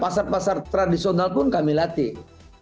pasar pasar tradisional pun kami latih